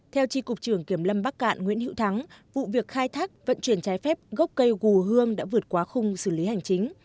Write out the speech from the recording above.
theo tri cục trưởng kiểm lâm bắc cạn nguyễn hữu thắng vụ việc khai thác vận chuyển trái phép gốc cây gù hương đã vượt qua khung xử lý hành chính